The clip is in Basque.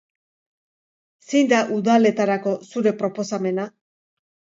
Zein da udaletarako zure proposamena?